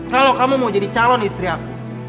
kalau kamu mau jadi calon istri aku